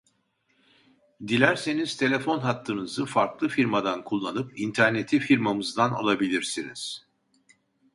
Dilerseniz telefon hattınızı farklı firmadan kullanıp interneti firmamızdan alabilirsiniz